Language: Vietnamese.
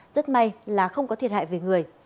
rất may là không có thiệt hại về người